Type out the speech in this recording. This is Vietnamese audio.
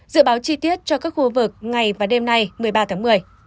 dự báo chi tiết cho các khu vực ngày và đêm nay một mươi ba tháng một mươi